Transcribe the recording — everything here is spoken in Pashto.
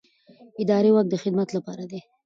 اداري واک د خدمت لپاره دی.